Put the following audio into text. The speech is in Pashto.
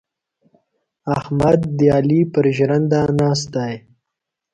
احمد د علي پر ژرنده ناست دی.